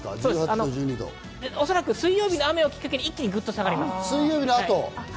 水曜日の雨をきっかけにぐっと下がります。